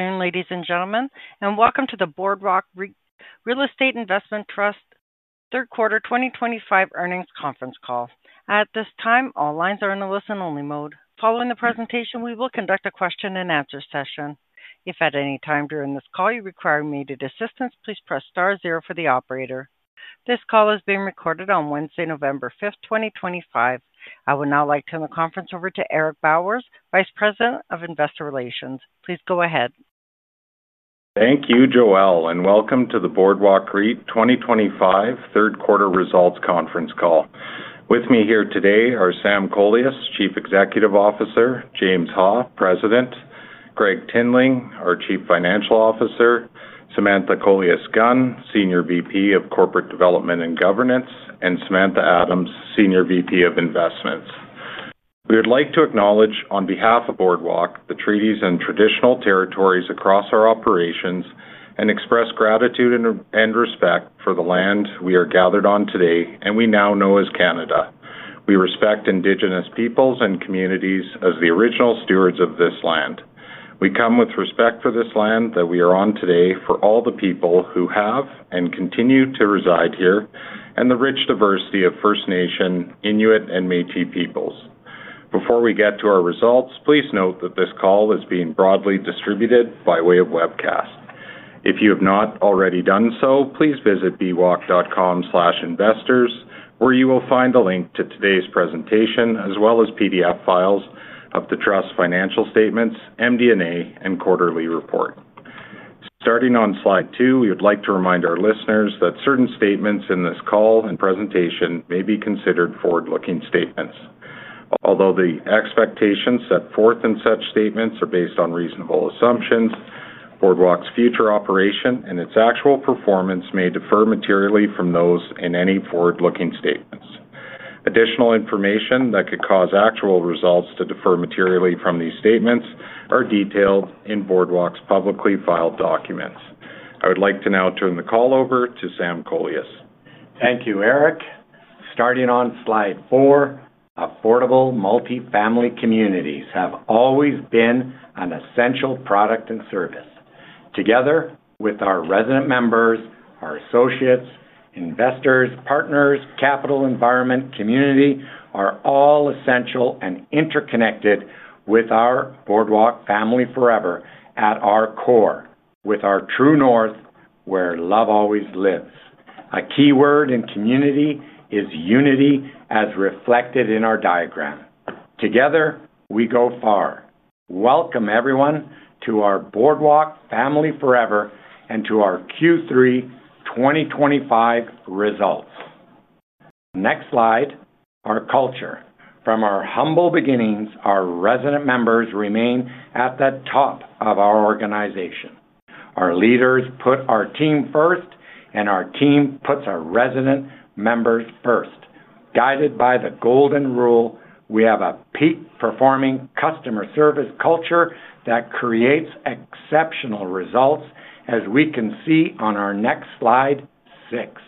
Afternoon, ladies and gentlemen, and welcome to the Boardwalk Real Estate Investment Trust Third Quarter 2025 Earnings Conference Call. At this time, all lines are in the listen-only mode. Following the presentation, we will conduct a question-and-answer session. If at any time during this call you require immediate assistance, please press star zero for the operator. This call is being recorded on Wednesday, November 5th, 2025. I would now like to turn the conference over to Eric Bowers, Vice President of Investor Relations. Please go ahead. Thank you, Joelle, and welcome to the Boardwalk Real Estate Investment Trust 2025 third quarter results conference call. With me here today are Sam Kolias, Chief Executive Officer; James Ha, President; Gregg Tinling, our Chief Financial Officer; Samantha Kolias-Gunn, Senior Vice President of Corporate Development and Governance; and Samantha Adams, Senior Vice President of Investments. We would like to acknowledge, on behalf of Boardwalk, the treaties and traditional territories across our operations, and express gratitude and respect for the land we are gathered on today and we now know as Canada. We respect Indigenous peoples and communities as the original stewards of this land. We come with respect for this land that we are on today for all the people who have and continue to reside here, and the rich diversity of First Nation, Inuit, and Métis peoples. Before we get to our results, please note that this call is being broadly distributed by way of webcast. If you have not already done so, please visit boardwalk.com/investors, where you will find a link to today's presentation as well as PDF files of the trust's financial statements, MD&A, and quarterly report. Starting on slide two, we would like to remind our listeners that certain statements in this call and presentation may be considered forward-looking statements. Although the expectations set forth in such statements are based on reasonable assumptions, Boardwalk's future operation and its actual performance may differ materially from those in any forward-looking statements. Additional information that could cause actual results to differ materially from these statements is detailed in Boardwalk's publicly filed documents. I would like to now turn the call over to Sam Kolias. Thank you, Eric. Starting on slide four, affordable multifamily communities have always been an essential product and service. Together with our resident members, our associates, investors, partners, capital, environment, and community are all essential and interconnected with our Boardwalk Family Forever at our core, with our true north where love always lives. A key word in community is unity, as reflected in our diagram. Together, we go far. Welcome, everyone, to our Boardwalk Family Forever and to our Q3 2025 results. Next slide, our culture. From our humble beginnings, our resident members remain at the top of our organization. Our leaders put our team first, and our team puts our resident members first. Guided by the golden rule, we have a peak-performing customer service culture that creates exceptional results, as we can see on our next slide, six.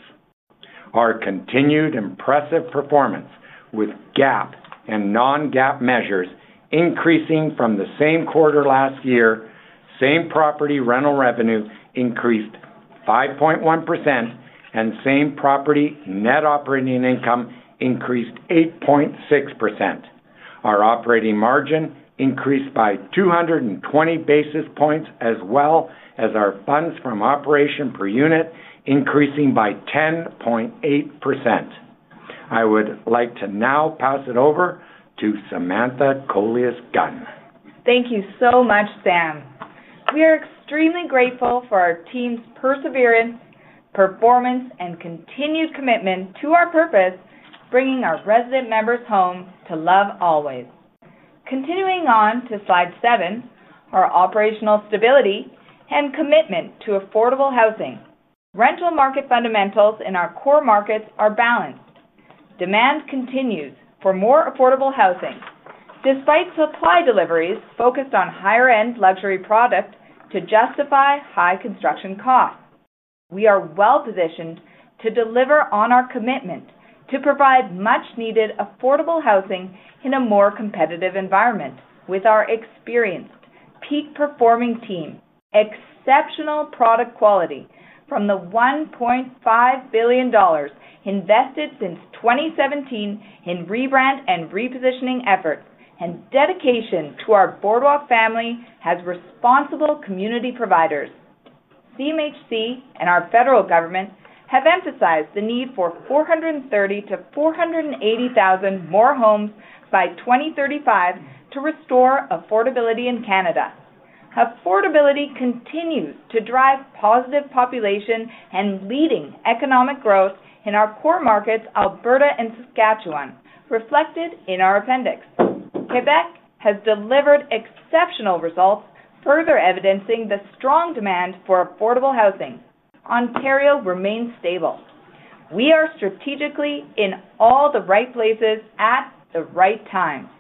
Our continued impressive performance with GAAP and non-GAAP measures increasing from the same quarter last year, same property rental revenue increased 5.1%, and same property net operating income increased 8.6%. Our operating margin increased by 220 basis points, as well as our funds from operation per unit increasing by 10.8%. I would like to now pass it over to Samantha Kolias-Gunn. Thank you so much, Sam. We are extremely grateful for our team's perseverance, performance, and continued commitment to our purpose, bringing our resident members home to love always. Continuing on to slide seven, our operational stability and commitment to affordable housing. Rental market fundamentals in our core markets are balanced. Demand continues for more affordable housing, despite supply deliveries focused on higher-end luxury product to justify high construction costs. We are well-positioned to deliver on our commitment to provide much-needed affordable housing in a more competitive environment with our experienced, peak-performing team, exceptional product quality from the 1.5 billion dollars invested since 2017 in rebrand and repositioning efforts, and dedication to our Boardwalk family as responsible community providers. CMHC and our federal government have emphasized the need for 430,000-480,000 more homes by 2035 to restore affordability in Canada. Affordability continues to drive positive population and leading economic growth in our core markets, Alberta and Saskatchewan, reflected in our appendix. Québec has delivered exceptional results, further evidencing the strong demand for affordable housing. Ontario remains stable. We are strategically in all the right places at the right time.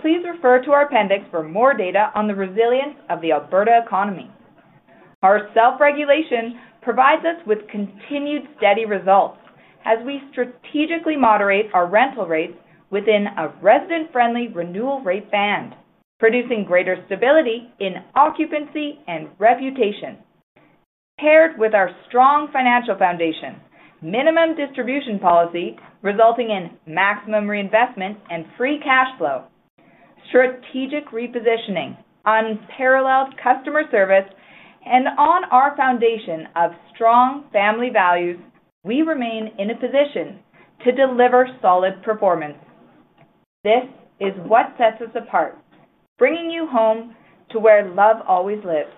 Please refer to our appendix for more data on the resilience of the Alberta economy. Our self-regulation provides us with continued steady results as we strategically moderate our rental rates within a resident-friendly renewal rate band, producing greater stability in occupancy and reputation. Paired with our strong financial foundation, minimum distribution policy resulting in maximum reinvestment and free cash flow. Strategic repositioning, unparalleled customer service, and on our foundation of strong family values, we remain in a position to deliver solid performance. This is what sets us apart, bringing you home to where love always lives.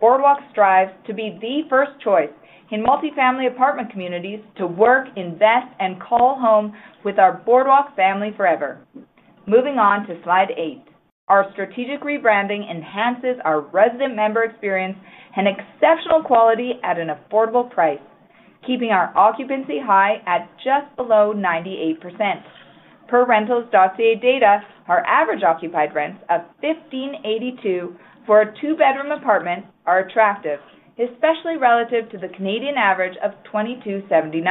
Boardwalk strives to be the first choice in multifamily apartment communities to work, invest, and call home with our Boardwalk Family Forever. Moving on to slide eight, our strategic rebranding enhances our resident member experience and exceptional quality at an affordable price, keeping our occupancy high at just below 98%. Per rentals.ca data, our average occupied rents of 1,582 for a two-bedroom apartment are attractive, especially relative to the Canadian average of CAD 2,279.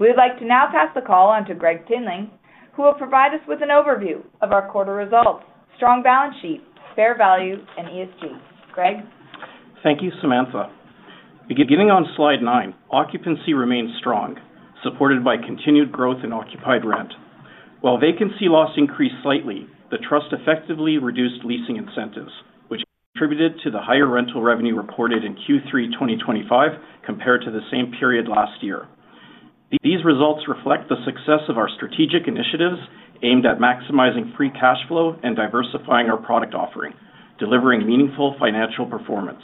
We would like to now pass the call on to Gregg Tinling, who will provide us with an overview of our quarter results, strong balance sheet, fair value, and ESG. Gregg? Thank you, Samantha. Beginning on slide nine, occupancy remains strong, supported by continued growth in occupied rent. While vacancy loss increased slightly, the trust effectively reduced leasing incentives, which contributed to the higher rental revenue reported in Q3 2025 compared to the same period last year. These results reflect the success of our strategic initiatives aimed at maximizing free cash flow and diversifying our product offering, delivering meaningful financial performance.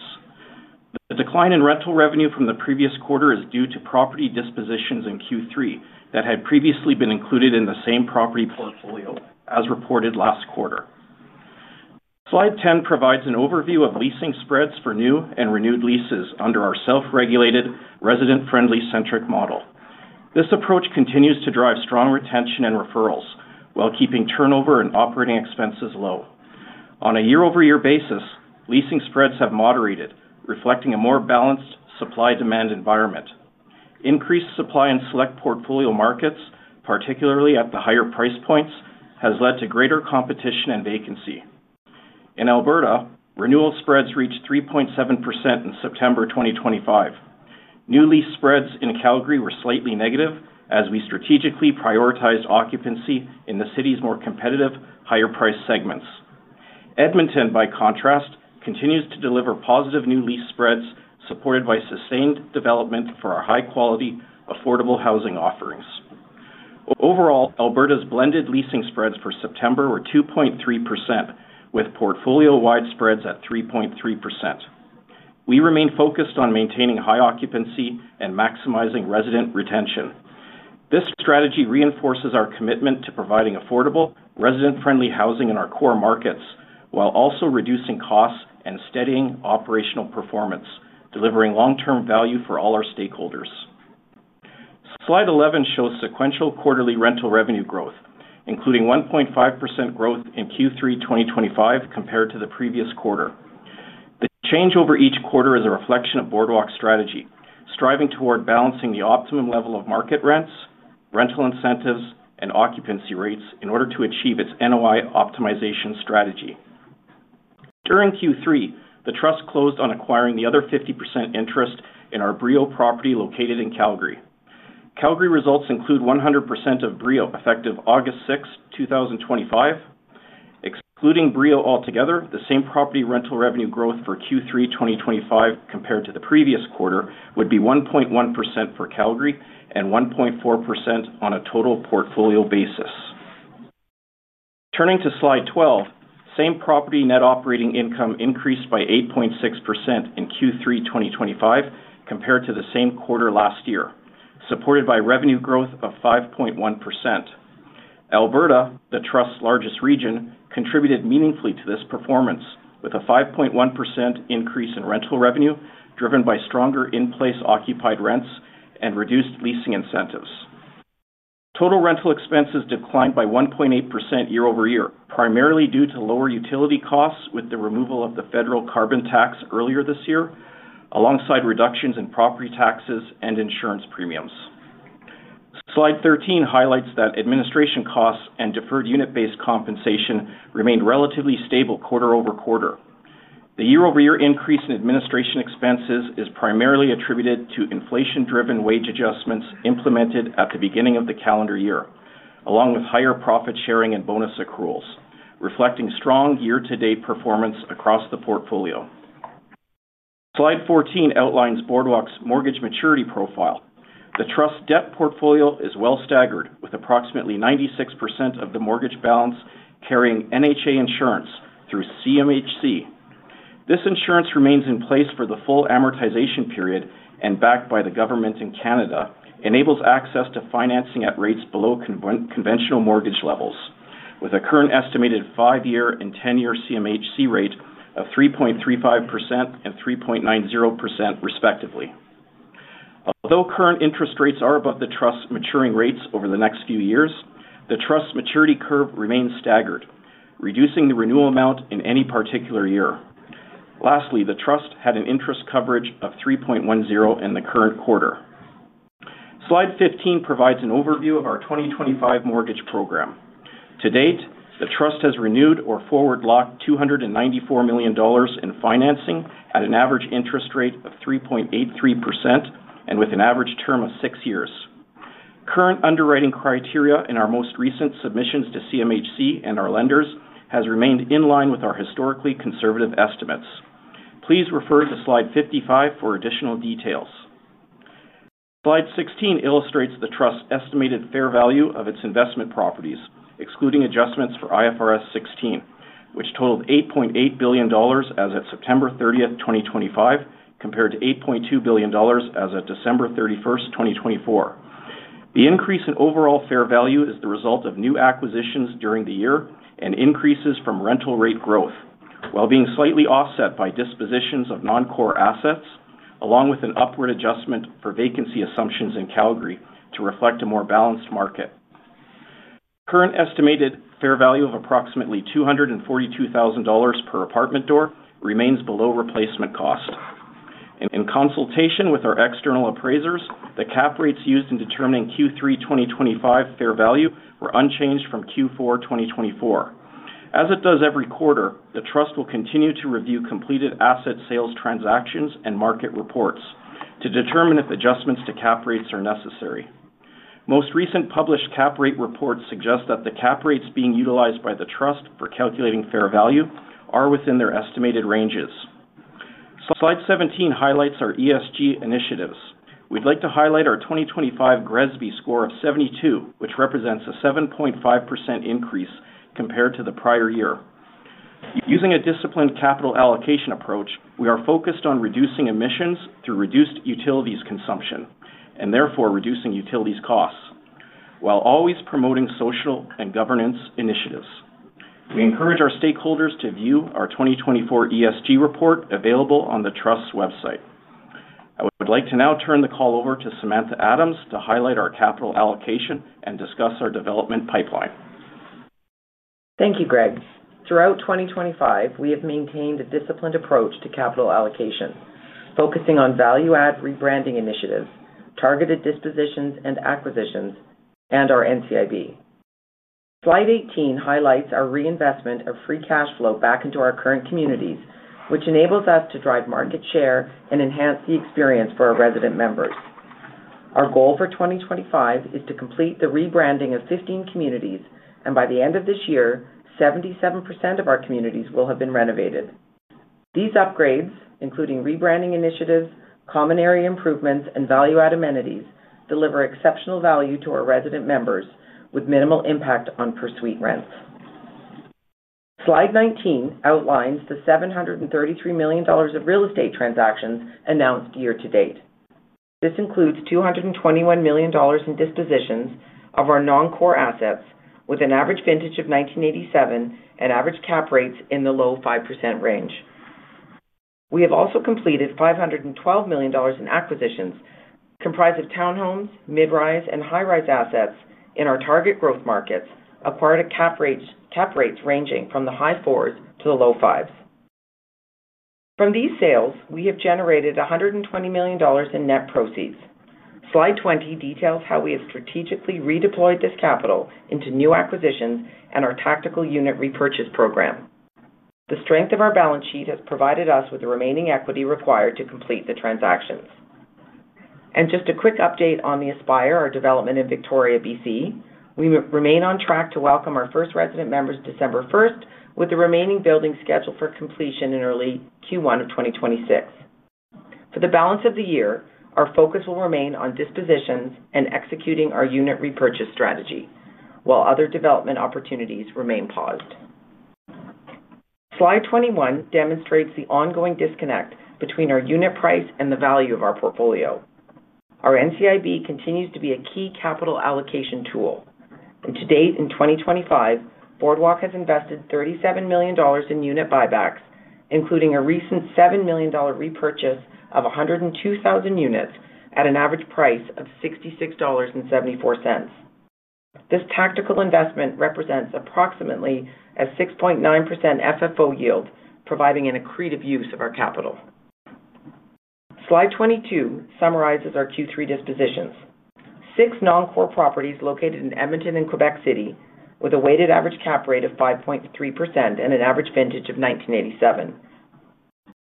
The decline in rental revenue from the previous quarter is due to property dispositions in Q3 that had previously been included in the same property portfolio, as reported last quarter. Slide 10 provides an overview of leasing spreads for new and renewed leases under our self-regulated, resident-friendly-centric model. This approach continues to drive strong retention and referrals while keeping turnover and operating expenses low. On a year-over-year basis, leasing spreads have moderated, reflecting a more balanced supply-demand environment. Increased supply in select portfolio markets, particularly at the higher price points, has led to greater competition and vacancy. In Alberta, renewal spreads reached 3.7% in September 2025. New lease spreads in Calgary were slightly negative as we strategically prioritized occupancy in the city's more competitive, higher-priced segments. Edmonton, by contrast, continues to deliver positive new lease spreads supported by sustained development for our high-quality, affordable housing offerings. Overall, Alberta's blended leasing spreads for September were 2.3%, with portfolio-wide spreads at 3.3%. We remain focused on maintaining high occupancy and maximizing resident retention. This strategy reinforces our commitment to providing affordable, resident-friendly housing in our core markets while also reducing costs and steadying operational performance, delivering long-term value for all our stakeholders. Slide 11 shows sequential quarterly rental revenue growth, including 1.5% growth in Q3 2025 compared to the previous quarter. The change over each quarter is a reflection of Boardwalk's strategy, striving toward balancing the optimum level of market rents, rental incentives, and occupancy rates in order to achieve its NOI optimization strategy. During Q3, the trust closed on acquiring the other 50% interest in our Brio property located in Calgary. Calgary results include 100% of Brio effective August 6, 2025. Excluding Brio altogether, the same property rental revenue growth for Q3 2025 compared to the previous quarter would be 1.1% for Calgary and 1.4% on a total portfolio basis. Turning to slide 12, same property net operating income increased by 8.6% in Q3 2025 compared to the same quarter last year, supported by revenue growth of 5.1%. Alberta, the trust's largest region, contributed meaningfully to this performance, with a 5.1% increase in rental revenue driven by stronger in-place occupied rents and reduced leasing incentives. Total rental expenses declined by 1.8% year-over-year, primarily due to lower utility costs with the removal of the federal carbon tax earlier this year, alongside reductions in property taxes and insurance premiums. Slide 13 highlights that administration costs and deferred unit-based compensation remained relatively stable quarter over quarter. The year-over-year increase in administration expenses is primarily attributed to inflation-driven wage adjustments implemented at the beginning of the calendar year, along with higher profit sharing and bonus accruals, reflecting strong year-to-date performance across the portfolio. Slide 14 outlines Boardwalk's mortgage maturity profile. The trust's debt portfolio is well-staggered, with approximately 96% of the mortgage balance carrying NHA insurance through CMHC. This insurance remains in place for the full amortization period and, backed by the government in Canada, enables access to financing at rates below conventional mortgage levels, with a current estimated five-year and ten-year CMHC rate of 3.35% and 3.90%, respectively. Although current interest rates are above the trust's maturing rates over the next few years, the trust's maturity curve remains staggered, reducing the renewal amount in any particular year. Lastly, the trust had an interest coverage of 3.10x in the current quarter. Slide 15 provides an overview of our 2025 mortgage program. To date, the trust has renewed or forward-locked 294 million dollars in financing at an average interest rate of 3.83% and with an average term of six years. Current underwriting criteria in our most recent submissions to CMHC and our lenders has remained in line with our historically conservative estimates. Please refer to slide 55 for additional details. Slide 16 illustrates the trust's estimated fair value of its investment properties, excluding adjustments for IFRS 16, which totaled 8.8 billion dollars as of September 30th, 2025, compared to 8.2 billion dollars as of December 31st, 2024. The increase in overall fair value is the result of new acquisitions during the year and increases from rental rate growth, while being slightly offset by dispositions of non-core assets, along with an upward adjustment for vacancy assumptions in Calgary to reflect a more balanced market. Current estimated fair value of approximately 242,000 dollars per apartment door remains below replacement cost. In consultation with our external appraisers, the cap rates used in determining Q3 2025 fair value were unchanged from Q4 2024. As it does every quarter, the trust will continue to review completed asset sales transactions and market reports to determine if adjustments to cap rates are necessary. Most recent published cap rate reports suggest that the cap rates being utilized by the trust for calculating fair value are within their estimated ranges. Slide 17 highlights our ESG initiatives. We'd like to highlight our 2025 GRESB score of 72, which represents a 7.5% increase compared to the prior year. Using a disciplined capital allocation approach, we are focused on reducing emissions through reduced utilities consumption and therefore reducing utilities costs, while always promoting social and governance initiatives. We encourage our stakeholders to view our 2024 ESG report available on the trust's website. I would like to now turn the call over to Samantha Adams to highlight our capital allocation and discuss our development pipeline. Thank you, Gregg. Throughout 2025, we have maintained a disciplined approach to capital allocation, focusing on value-add rebranding initiatives, targeted dispositions and acquisitions, and our NCIB. Slide 18 highlights our reinvestment of free cash flow back into our current communities, which enables us to drive market share and enhance the experience for our resident members. Our goal for 2025 is to complete the rebranding of 15 communities, and by the end of this year, 77% of our communities will have been renovated. These upgrades, including rebranding initiatives, common area improvements, and value-add amenities, deliver exceptional value to our resident members with minimal impact on per-suite rents. Slide 19 outlines the 733 million dollars of real estate transactions announced year-to-date. This includes 221 million dollars in dispositions of our non-core assets, with an average vintage of 1987 and average cap rates in the low 5% range. We have also completed 512 million dollars in acquisitions comprised of townhomes, mid-rise, and high-rise assets in our target growth markets, acquired at cap rates ranging from the high 4s to the low 5s. From these sales, we have generated 120 million dollars in net proceeds. Slide 20 details how we have strategically redeployed this capital into new acquisitions and our tactical unit repurchase program. The strength of our balance sheet has provided us with the remaining equity required to complete the transactions. A quick update on the Aspire, our development in Victoria, British Columbia. We remain on track to welcome our first resident members December 1, with the remaining building scheduled for completion in early Q1 of 2026. For the balance of the year, our focus will remain on dispositions and executing our unit repurchase strategy, while other development opportunities remain paused. Slide 21 demonstrates the ongoing disconnect between our unit price and the value of our portfolio. Our NCIB continues to be a key capital allocation tool. To date, in 2025, Boardwalk has invested 37 million dollars in unit buybacks, including a recent 7 million dollar repurchase of 102,000 units at an average price of 66.74 dollars. This tactical investment represents approximately a 6.9% FFO yield, providing an accretive use of our capital. Slide 22 summarizes our Q3 dispositions. Six non-core properties located in Edmonton and Québec City, with a weighted average cap rate of 5.3% and an average vintage of 1987.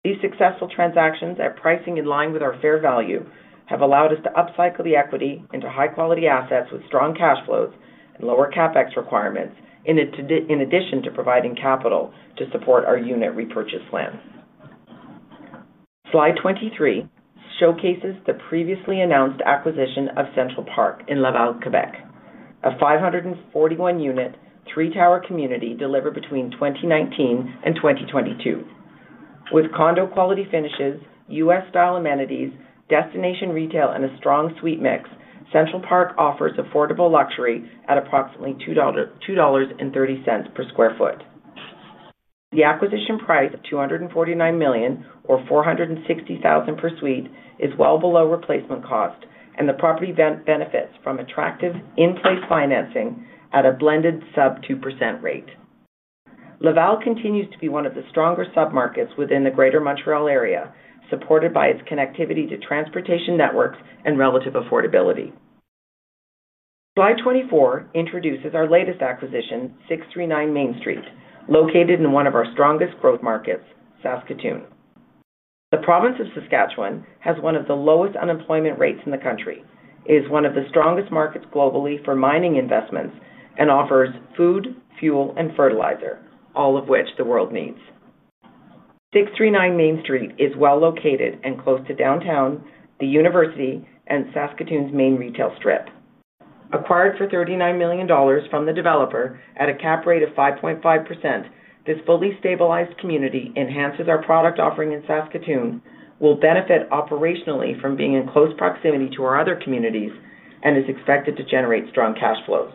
These successful transactions at pricing in line with our fair value have allowed us to upcycle the equity into high-quality assets with strong cash flows and lower CapEx requirements, in addition to providing capital to support our unit repurchase plan. Slide 23 showcases the previously announced acquisition of Central Parc in Laval, Québec, a 541-unit three-tower community delivered between 2019 and 2022. With condo-quality finishes, U.S.-style amenities, destination retail, and a strong suite mix, Central Park offers affordable luxury at approximately 2.30 dollars/sq. ft. The acquisition price of 249 million, or 460,000 per suite, is well below replacement cost, and the property benefits from attractive in-place financing at a blended sub-2% rate. Laval continues to be one of the stronger submarkets within the greater Montreal area, supported by its connectivity to transportation networks and relative affordability. Slide 24 introduces our latest acquisition, 639 Main Street, located in one of our strongest growth markets, Saskatoon. The province of Saskatchewan has one of the lowest unemployment rates in the country, is one of the strongest markets globally for mining investments, and offers food, fuel, and fertilizer, all of which the world needs. 639 Main Street is well located and close to downtown, the university, and Saskatoon's main retail strip. Acquired for 39 million dollars from the developer at a cap rate of 5.5%, this fully stabilized community enhances our product offering in Saskatoon, will benefit operationally from being in close proximity to our other communities, and is expected to generate strong cash flows.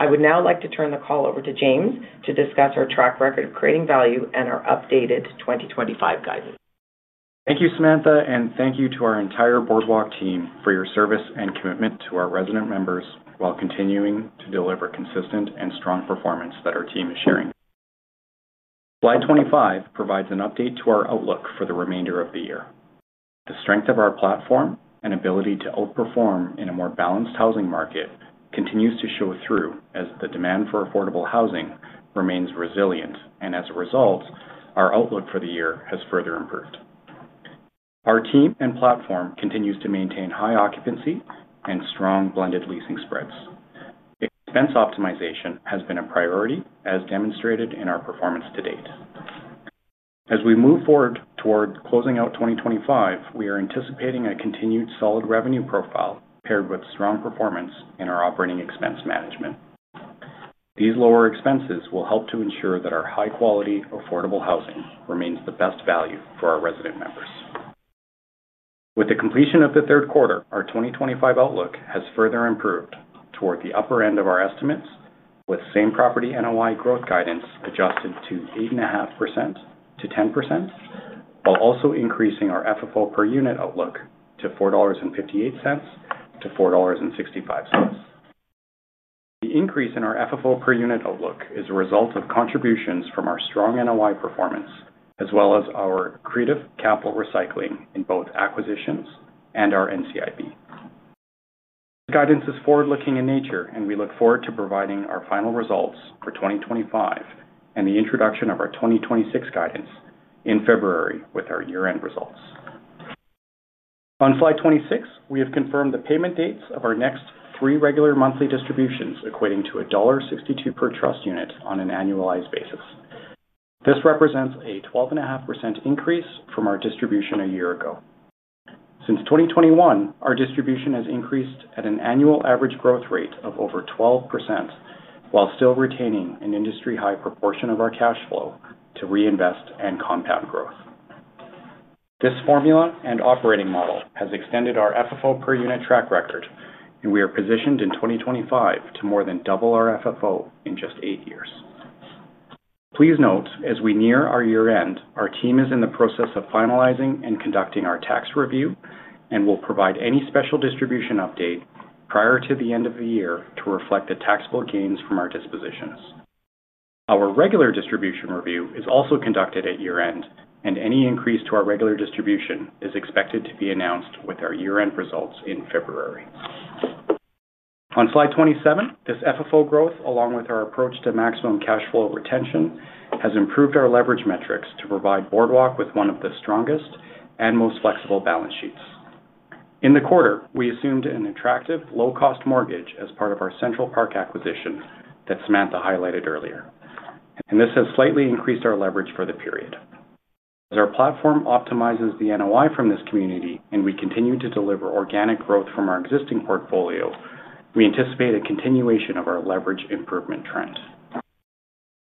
I would now like to turn the call over to James to discuss our track record of creating value and our updated 2025 guidance. Thank you, Samantha, and thank you to our entire Boardwalk team for your service and commitment to our resident members while continuing to deliver consistent and strong performance that our team is sharing. Slide 25 provides an update to our outlook for the remainder of the year. The strength of our platform and ability to outperform in a more balanced housing market continues to show through as the demand for affordable housing remains resilient, and as a result, our outlook for the year has further improved. Our team and platform continue to maintain high occupancy and strong blended leasing spreads. Expense optimization has been a priority, as demonstrated in our performance to date. As we move forward toward closing out 2025, we are anticipating a continued solid revenue profile paired with strong performance in our operating expense management. These lower expenses will help to ensure that our high-quality, affordable housing remains the best value for our resident members. With the completion of the third quarter, our 2025 outlook has further improved toward the upper end of our estimates, with same property NOI growth guidance adjusted to 8.5%-10%. While also increasing our FFO per unit outlook to 4.58-4.65 dollars. The increase in our FFO per unit outlook is a result of contributions from our strong NOI performance, as well as our accretive capital recycling in both acquisitions and our NCIB. This guidance is forward-looking in nature, and we look forward to providing our final results for 2025 and the introduction of our 2026 guidance in February with our year-end results. On Slide 26, we have confirmed the payment dates of our next three regular monthly distributions equating to dollar 1.62 per trust unit on an annualized basis. This represents a 12.5% increase from our distribution a year ago. Since 2021, our distribution has increased at an annual average growth rate of over 12%, while still retaining an industry-high proportion of our cash flow to reinvest and compound growth. This formula and operating model has extended our FFO per unit track record, and we are positioned in 2025 to more than double our FFO in just eight years. Please note, as we near our year-end, our team is in the process of finalizing and conducting our tax review and will provide any special distribution update prior to the end of the year to reflect the taxable gains from our dispositions. Our regular distribution review is also conducted at year-end, and any increase to our regular distribution is expected to be announced with our year-end results in February. On Slide 27, this FFO growth, along with our approach to maximum cash flow retention, has improved our leverage metrics to provide Boardwalk with one of the strongest and most flexible balance sheets. In the quarter, we assumed an attractive, low-cost mortgage as part of our Central Park acquisition that Samantha highlighted earlier, and this has slightly increased our leverage for the period. As our platform optimizes the NOI from this community and we continue to deliver organic growth from our existing portfolio, we anticipate a continuation of our leverage improvement trend.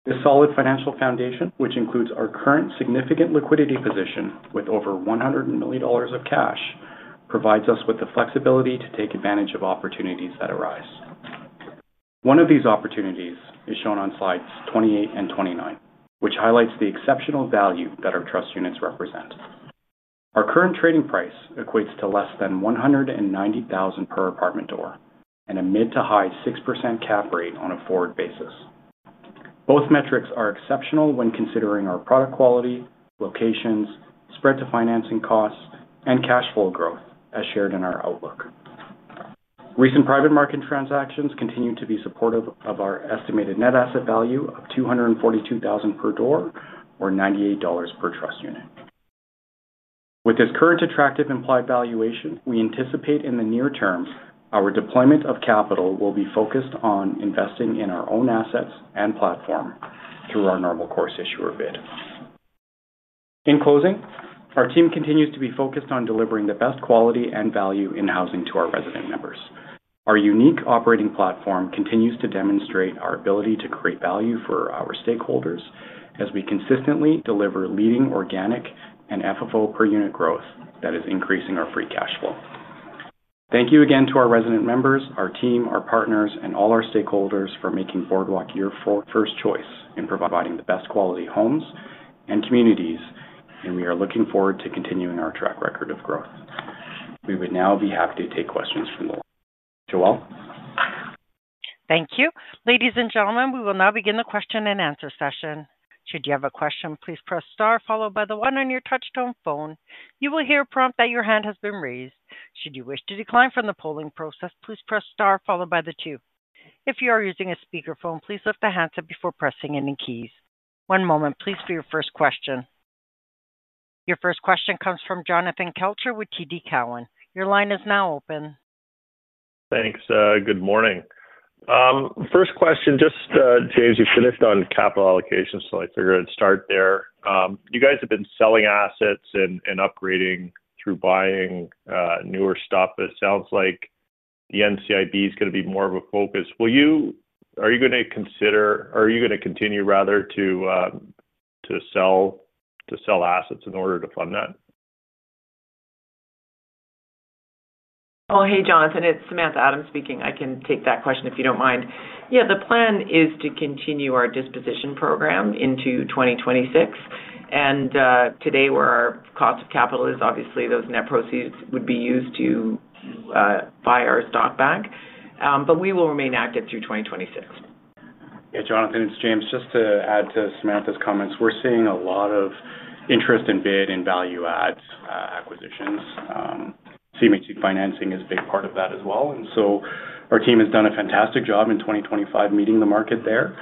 This solid financial foundation, which includes our current significant liquidity position with over 100 million dollars of cash, provides us with the flexibility to take advantage of opportunities that arise. One of these opportunities is shown on Slides 28 and 29, which highlights the exceptional value that our trust units represent. Our current trading price equates to less than 190,000 per apartment door and a mid to high 6% cap rate on a forward basis. Both metrics are exceptional when considering our product quality, locations, spread to financing costs, and cash flow growth as shared in our outlook. Recent private market transactions continue to be supportive of our estimated net asset value of 242,000 per door, or 98 dollars per trust unit. With this current attractive implied valuation, we anticipate in the near term our deployment of capital will be focused on investing in our own assets and platform through our normal course issuer bid. In closing, our team continues to be focused on delivering the best quality and value in housing to our resident members. Our unique operating platform continues to demonstrate our ability to create value for our stakeholders as we consistently deliver leading organic and FFO per unit growth that is increasing our free cash flow. Thank you again to our resident members, our team, our partners, and all our stakeholders for making Boardwalk your first choice in providing the best quality homes and communities, and we are looking forward to continuing our track record of growth. We would now be happy to take questions from the floor. Thank you. Ladies and gentlemen, we will now begin the question and answer session. Should you have a question, please press star followed by the one on your touch-tone phone. You will hear a prompt that your hand has been raised. Should you wish to decline from the polling process, please press star followed by the two. If you are using a speakerphone, please lift the handset before pressing any keys. One moment, please, for your first question. Your first question comes from Jonathan Kelcher with TD Cowen. Your line is now open. Thanks. Good morning. First question, just James, you finished on capital allocation, so I figured I'd start there. You guys have been selling assets and upgrading through buying newer stuff. It sounds like the NCIB is going to be more of a focus. Are you going to consider, or are you going to continue rather to sell assets in order to fund that? Oh, hey, Jonathan. It's Samantha Adams speaking. I can take that question if you don't mind. Yeah, the plan is to continue our disposition program into 2026. Today, where our cost of capital is, obviously, those net proceeds would be used to buy our stock back. We will remain active through 2026. Yeah, Jonathan, it's James. Just to add to Samantha's comments, we're seeing a lot of interest in bid and value-add acquisitions. CMHC financing is a big part of that as well. Our team has done a fantastic job in 2025 meeting the market there,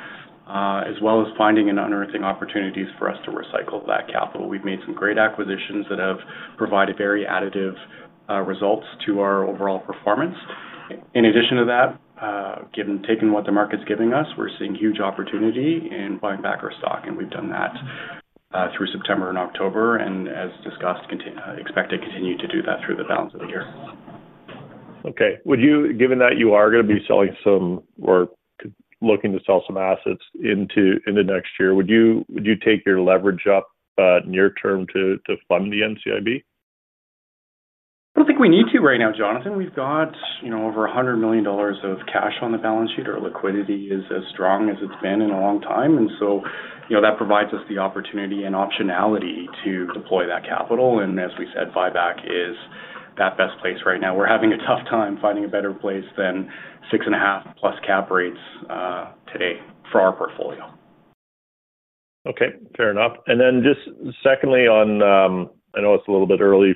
as well as finding and unearthing opportunities for us to recycle that capital. We've made some great acquisitions that have provided very additive results to our overall performance. In addition to that, taking what the market's giving us, we're seeing huge opportunity in buying back our stock, and we've done that through September and October, and as discussed, expect to continue to do that through the balance of the year. Okay. Given that you are going to be selling some or looking to sell some assets in the next year, would you take your leverage up near-term to fund the NCIB? I do not think we need to right now, Jonathan. We have over 100 million dollars of cash on the balance sheet. Our liquidity is as strong as it has been in a long time. That provides us the opportunity and optionality to deploy that capital. As we said, buyback is that best place right now. We are having a tough time finding a better place than 6.5% plus cap rates today for our portfolio. Okay. Fair enough. Just secondly, I know it's a little bit early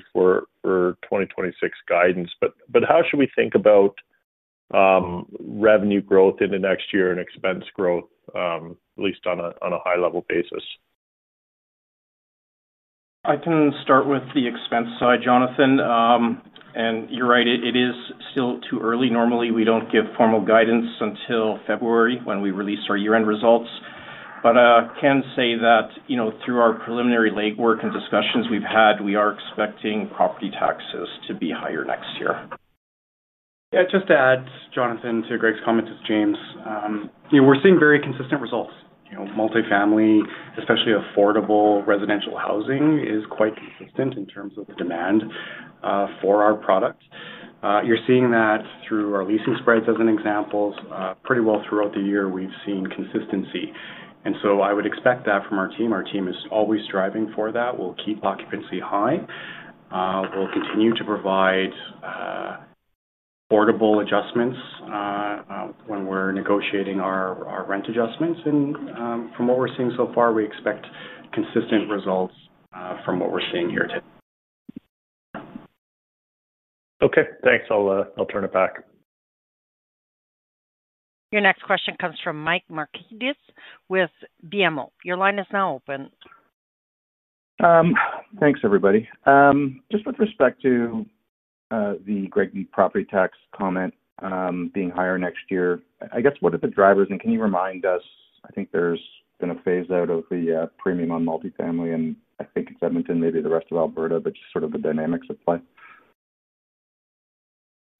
for 2026 guidance, but how should we think about revenue growth in the next year and expense growth, at least on a high-level basis? I can start with the expense side, Jonathan. And you're right, it is still too early. Normally, we do not give formal guidance until February when we release our year-end results. I can say that through our preliminary legwork and discussions we have had, we are expecting property taxes to be higher next year. Yeah, just to add, Jonathan, to Gregg's comments, it is James. We are seeing very consistent results. Multifamily, especially affordable residential housing, is quite consistent in terms of the demand for our product. You are seeing that through our leasing spreads as an example. Pretty well throughout the year, we have seen consistency. I would expect that from our team. Our team is always striving for that. We will keep occupancy high. We will continue to provide affordable adjustments when we are negotiating our rent adjustments. From what we're seeing so far, we expect consistent results from what we're seeing here today. Okay. Thanks. I'll turn it back. Your next question comes from Mike Markidis with BMO. Your line is now open. Thanks, everybody. Just with respect to the Gregg's property tax comment being higher next year, I guess what are the drivers? And can you remind us? I think there's been a phase-out of the premium on multifamily, and I think it's Edmonton, maybe the rest of Alberta, but just sort of the dynamics at play.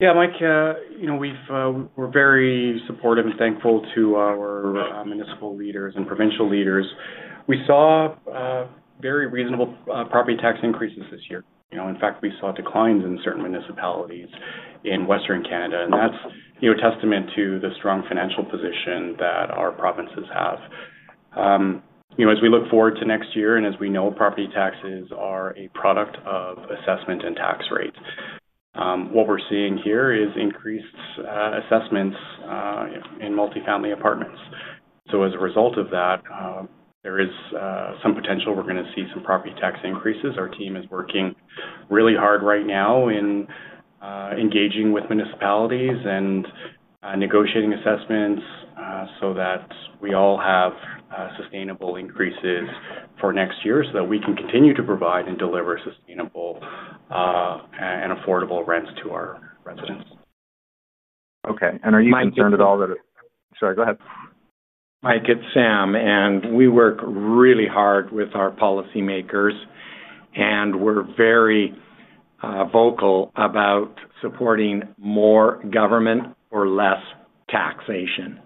Yeah, Mike, we're very supportive and thankful to our municipal leaders and provincial leaders. We saw very reasonable property tax increases this year. In fact, we saw declines in certain municipalities in Western Canada, and that's a testament to the strong financial position that our provinces have. As we look forward to next year, and as we know, property taxes are a product of assessment and tax rates. What we're seeing here is increased assessments in multifamily apartments. As a result of that, there is some potential we're going to see some property tax increases. Our team is working really hard right now in engaging with municipalities and negotiating assessments so that we all have sustainable increases for next year so that we can continue to provide and deliver sustainable and affordable rents to our residents. Okay. Are you concerned at all that it—sorry, go ahead. Mike, it's Sam. We work really hard with our policymakers, and we're very vocal about supporting more government or less taxation.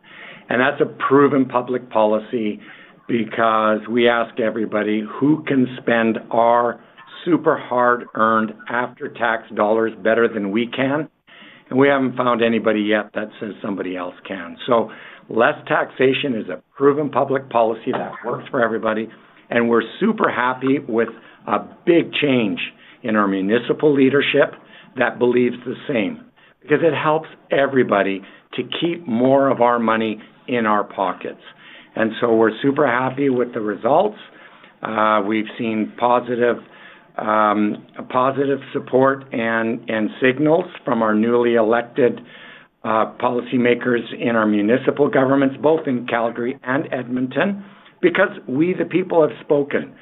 That's a proven public policy because we ask everybody who can spend our super hard-earned after-tax dollars better than we can. We haven't found anybody yet that says somebody else can. Less taxation is a proven public policy that works for everybody. We're super happy with a big change in our municipal leadership that believes the same because it helps everybody to keep more of our money in our pockets. We're super happy with the results. We've seen positive support and signals from our newly elected policymakers in our municipal governments, both in Calgary and Edmonton, because we, the people, have spoken.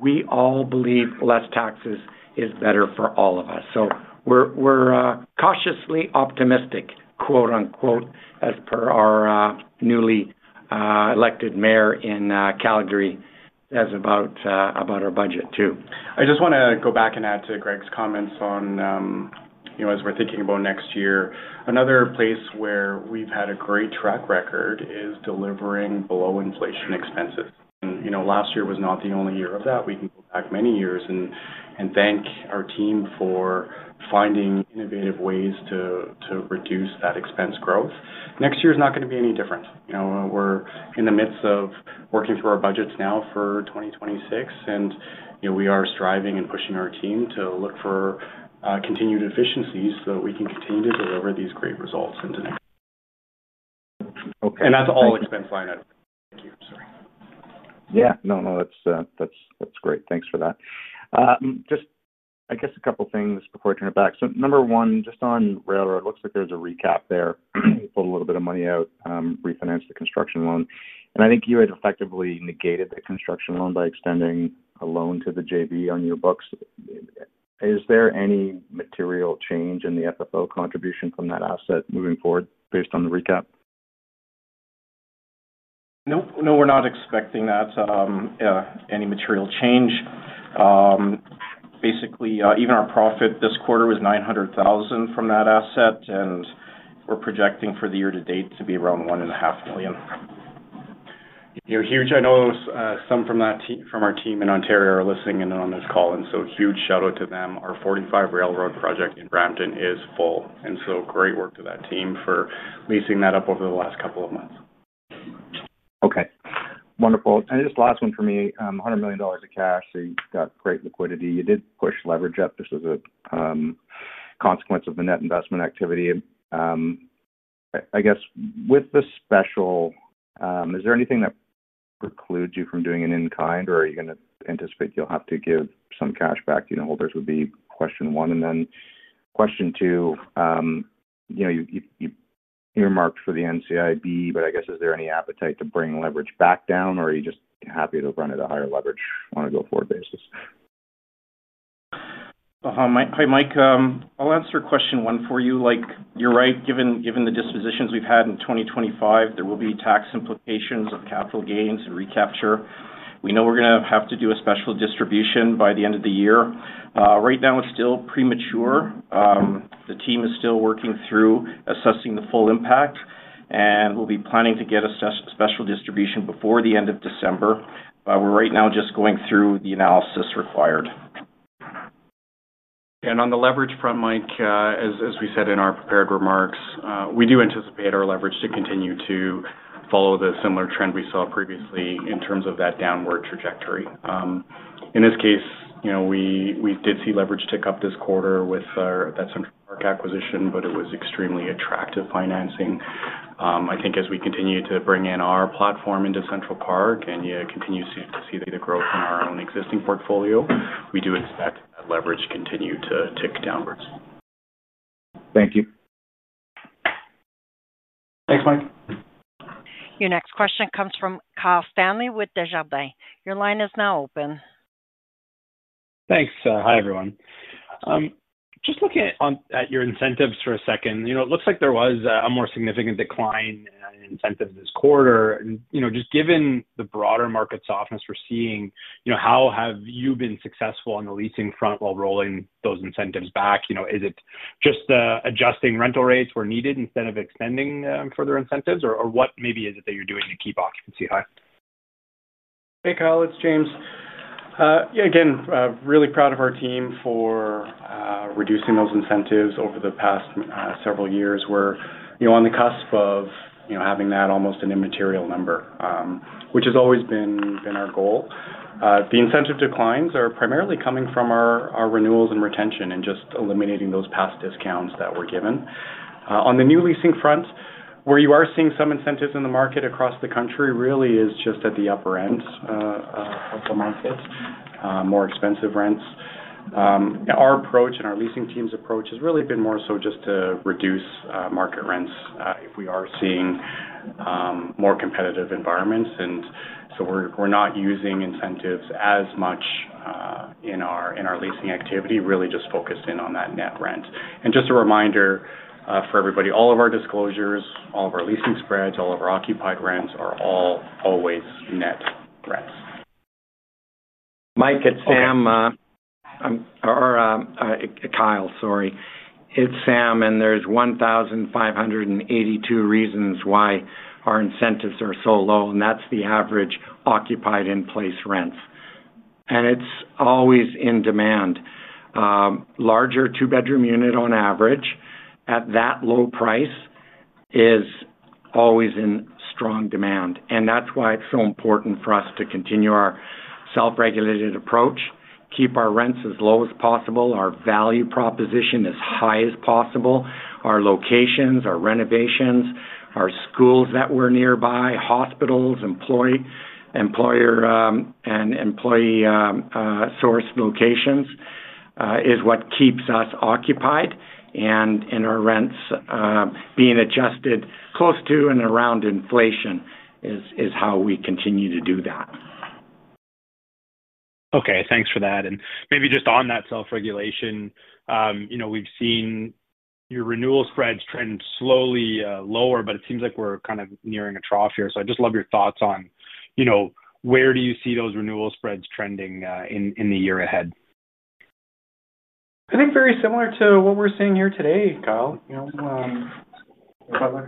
We all believe less taxes is better for all of us. We're cautiously optimistic, quote-unquote, as per our newly. Elected mayor in Calgary says about our budget too. I just want to go back and add to Gregg's comments on. As we're thinking about next year, another place where we've had a great track record is delivering below-inflation expenses. Last year was not the only year of that. We can go back many years and thank our team for finding innovative ways to reduce that expense growth. Next year is not going to be any different. We're in the midst of working through our budgets now for 2026, and we are striving and pushing our team to look for continued efficiencies so that we can continue to deliver these great results into next. Okay. That is all expense line item. Thank you. Sorry. Yeah. No, no, that's great. Thanks for that. Just, I guess, a couple of things before I turn it back. Number one, just on Railroad, it looks like there's a recap there. You pulled a little bit of money out, refinanced the construction loan. I think you had effectively negated the construction loan by extending a loan to the JV on your books. Is there any material change in the FFO contribution from that asset moving forward based on the recap? Nope. No, we're not expecting that. Any material change. Basically, even our profit this quarter was 900,000 from that asset, and we're projecting for the year-to-date to be around 1.5 million. Huge. I know some from our team in Ontario are listening in on this call, and so huge shout-out to them. Our 45 Railroad project in Brampton is full. Great work to that team for leasing that up over the last couple of months. Okay. Wonderful. And just last one for me, 100 million dollars of cash. You have great liquidity. You did push leverage up. This was a consequence of the net investment activity. I guess with the special, is there anything that precludes you from doing it in kind, or are you going to anticipate you'll have to give some cash back to unit holders would be question one. And then question two, you marked for the NCIB, but I guess is there any appetite to bring leverage back down, or are you just happy to run at a higher leverage on a go-forward basis? Hi, Mike. I'll answer question one for you. You're right. Given the dispositions we've had in 2025, there will be tax implications of capital gains and recapture. We know we're going to have to do a special distribution by the end of the year. Right now, it's still premature. The team is still working through assessing the full impact, and we'll be planning to get a special distribution before the end of December. We're right now just going through the analysis required. On the leverage front, Mike, as we said in our prepared remarks, we do anticipate our leverage to continue to follow the similar trend we saw previously in terms of that downward trajectory. In this case, we did see leverage tick up this quarter with that Central Park acquisition, but it was extremely attractive financing. I think as we continue to bring in our platform into Central Park and continue to see the growth in our own existing portfolio, we do expect that leverage to continue to tick downwards. Thank you. Thanks, Mike. Your next question comes from Kyle Stanley with Desjardins. Your line is now open. Thanks. Hi, everyone. Just looking at your incentives for a second, it looks like there was a more significant decline in incentives this quarter. Just given the broader market softness we're seeing, how have you been successful on the leasing front while rolling those incentives back? Is it just adjusting rental rates where needed instead of extending further incentives, or what maybe is it that you're doing to keep occupancy high? Hey, Kyle. It's James. Yeah, again, really proud of our team for reducing those incentives over the past several years. We're on the cusp of having that almost an immaterial number, which has always been our goal. The incentive declines are primarily coming from our renewals and retention and just eliminating those past discounts that were given. On the new leasing front, where you are seeing some incentives in the market across the country really is just at the upper end of the market, more expensive rents. Our approach and our leasing team's approach has really been more so just to reduce market rents if we are seeing more competitive environments. And so we're not using incentives as much in our leasing activity, really just focused in on that net rent. Just a reminder for everybody, all of our disclosures, all of our leasing spreads, all of our occupied rents are all always net rents. Mike, it's Sam. Kyle, sorry. It is Sam, and there are 1,582 reasons why our incentives are so low, and that is the average occupied-in-place rents. It is always in demand. Larger two-bedroom unit on average at that low price is always in strong demand. That is why it is so important for us to continue our self-regulated approach, keep our rents as low as possible, our value proposition as high as possible, our locations, our renovations, our schools that are nearby, hospitals, employer and employee-sourced locations. That is what keeps us occupied. Our rents being adjusted close to and around inflation is how we continue to do that. Okay. Thanks for that. Maybe just on that self-regulation, we've seen your renewal spreads trend slowly lower, but it seems like we're kind of nearing a trough here. I just love your thoughts on where do you see those renewal spreads trending in the year ahead? I think very similar to what we're seeing here today, Kyle.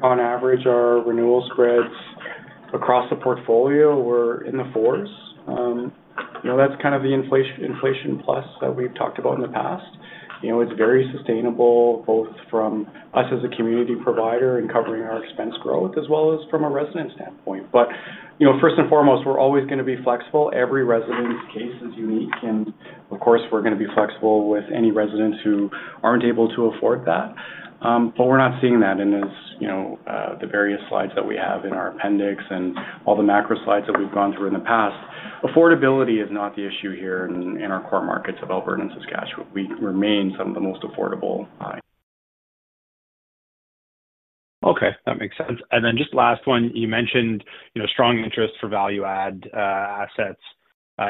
On average, our renewal spreads across the portfolio were in the fours. That's kind of the inflation plus that we've talked about in the past. It's very sustainable, both from us as a community provider and covering our expense growth, as well as from a resident standpoint. First and foremost, we're always going to be flexible. Every resident's case is unique. Of course, we're going to be flexible with any residents who aren't able to afford that. We're not seeing that in the various slides that we have in our appendix and all the macro slides that we've gone through in the past. Affordability is not the issue here in our core markets of Alberta and Saskatchewan. We remain some of the most affordable. Okay. That makes sense. Just last one, you mentioned strong interest for value-add assets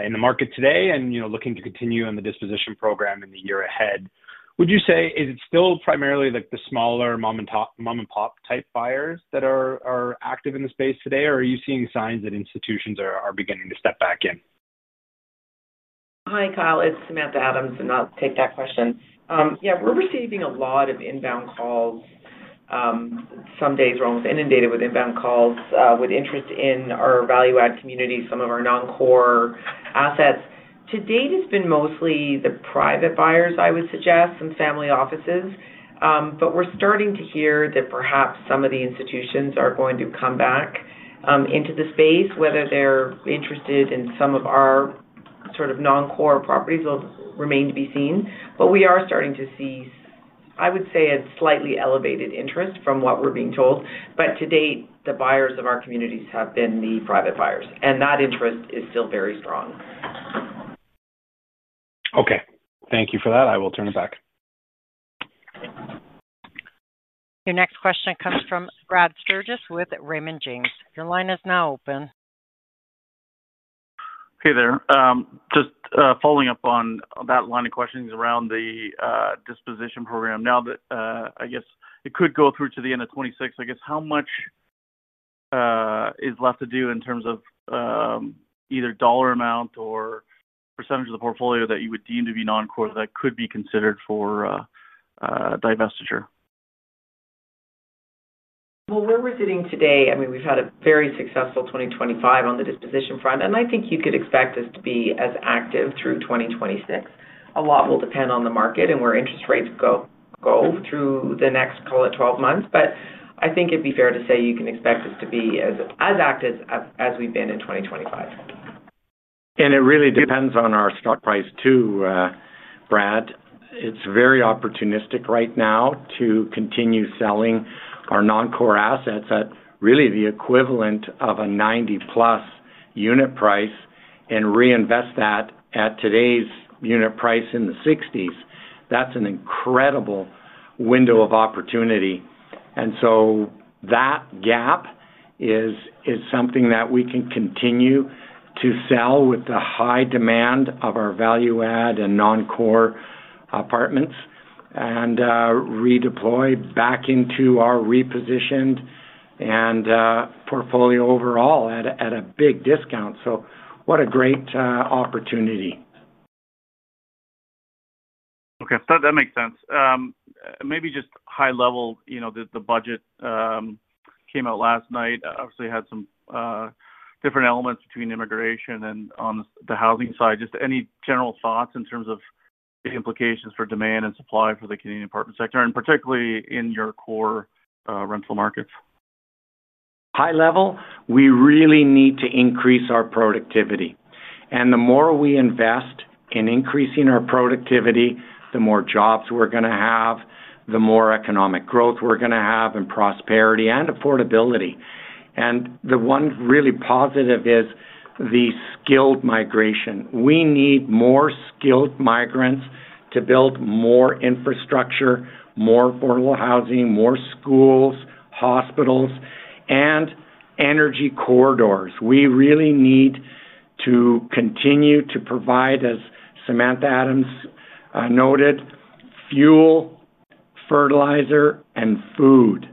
in the market today and looking to continue in the disposition program in the year ahead. Would you say, is it still primarily the smaller mom-and-pop type buyers that are active in the space today, or are you seeing signs that institutions are beginning to step back in? Hi, Kyle. It's Samantha Adams, and I'll take that question. Yeah, we're receiving a lot of inbound calls. Some days we're almost inundated with inbound calls with interest in our value-add community, some of our non-core assets. To date, it's been mostly the private buyers, I would suggest, and family offices. We are starting to hear that perhaps some of the institutions are going to come back into the space. Whether they're interested in some of our sort of non-core properties will remain to be seen. We are starting to see, I would say, a slightly elevated interest from what we're being told. To date, the buyers of our communities have been the private buyers, and that interest is still very strong. Okay. Thank you for that. I will turn it back. Your next question comes from Brad Sturges with Raymond James. Your line is now open. Hey there. Just following up on that line of questions around the disposition program. Now, I guess it could go through to the end of 2026. I guess how much is left to do in terms of either dollar amount or percentage of the portfolio that you would deem to be non-core that could be considered for divestiture? We're resuming today. I mean, we've had a very successful 2025 on the disposition front, and I think you could expect us to be as active through 2026. A lot will depend on the market and where interest rates go through the next, call it, 12 months. I think it'd be fair to say you can expect us to be as active as we've been in 2025. It really depends on our stock price too, Brad. It is very opportunistic right now to continue selling our non-core assets at really the equivalent of a 90-plus unit price and reinvest that at today's unit price in the 60s. That is an incredible window of opportunity. That gap is something that we can continue to sell with the high demand of our value-add and non-core apartments and redeploy back into our repositioned and portfolio overall at a big discount. What a great opportunity. Okay. That makes sense. Maybe just high-level, the budget came out last night. Obviously, had some different elements between immigration and on the housing side. Just any general thoughts in terms of the implications for demand and supply for the Canadian apartment sector, and particularly in your core rental markets? High-level, we really need to increase our productivity. The more we invest in increasing our productivity, the more jobs we're going to have, the more economic growth we're going to have, and prosperity and affordability. One really positive is the skilled migration. We need more skilled migrants to build more infrastructure, more affordable housing, more schools, hospitals, and energy corridors. We really need to continue to provide, as Samantha Adams noted, fuel, fertilizer, and food.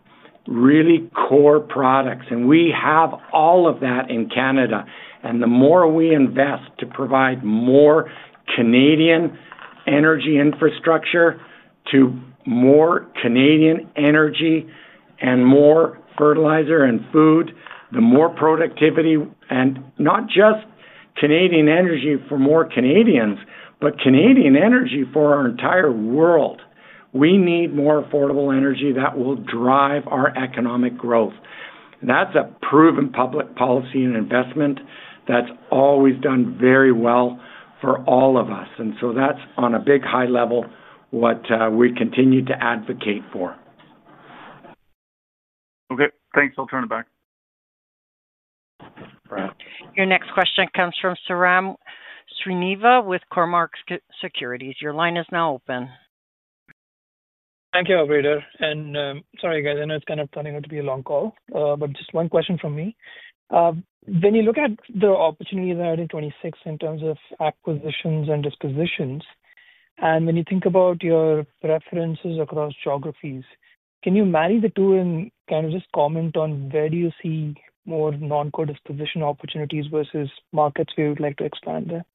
Really core products. We have all of that in Canada. The more we invest to provide more Canadian energy infrastructure to more Canadian energy and more fertilizer and food, the more productivity, and not just Canadian energy for more Canadians, but Canadian energy for our entire world. We need more affordable energy that will drive our economic growth. That's a proven public policy and investment that's always done very well for all of us. That's, on a big high level, what we continue to advocate for. Okay. Thanks. I'll turn it back. Your next question comes from Saran Sreenivasan with Cormark Securities. Your line is now open. Thank you, operator. Sorry, guys, I know it's kind of turning out to be a long call, but just one question from me. When you look at the opportunity in 2026 in terms of acquisitions and dispositions, and when you think about your preferences across geographies, can you marry the two and kind of just comment on where do you see more non-core disposition opportunities versus markets where you'd like to expand there?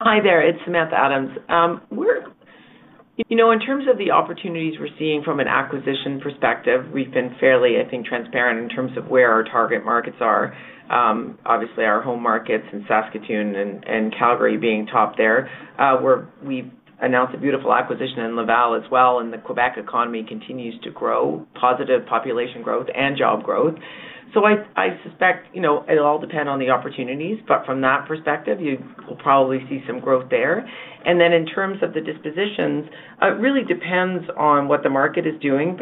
Hi there. It's Samantha Adams. In terms of the opportunities we're seeing from an acquisition perspective, we've been fairly, I think, transparent in terms of where our target markets are. Obviously, our home markets and Saskatoon and Calgary being top there. We've announced a beautiful acquisition in Laval as well, and the Québec economy continues to grow, positive population growth and job growth. I suspect it'll all depend on the opportunities, but from that perspective, you will probably see some growth there. In terms of the dispositions, it really depends on what the market is doing.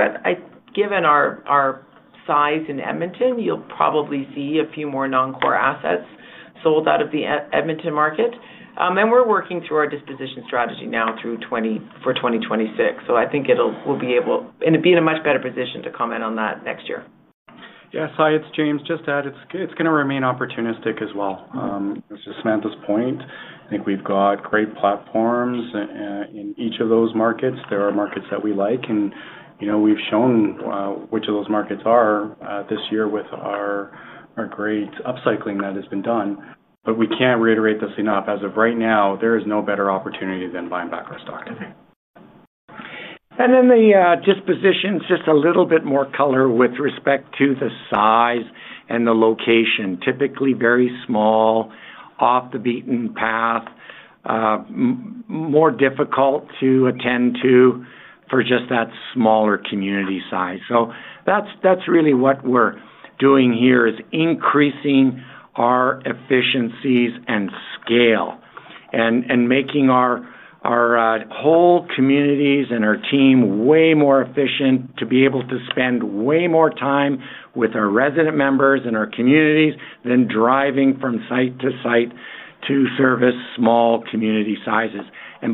Given our size in Edmonton, you'll probably see a few more non-core assets sold out of the Edmonton market. We're working through our disposition strategy now for 2026. I think we'll be able to be in a much better position to comment on that next year. Yeah. Hi, it's James. Just to add, it's going to remain opportunistic as well. It's just Samantha's point. I think we've got great platforms in each of those markets. There are markets that we like, and we've shown which of those markets are this year with our great upcycling that has been done. We can't reiterate this enough. As of right now, there is no better opportunity than buying back our stock today. The dispositions, just a little bit more color with respect to the size and the location. Typically very small. Off the beaten path. More difficult to attend to for just that smaller community size. That is really what we are doing here, increasing our efficiencies and scale and making our whole communities and our team way more efficient to be able to spend way more time with our resident members and our communities than driving from site to site to service small community sizes.